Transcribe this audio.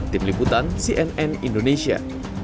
tim liputan cnn indonesia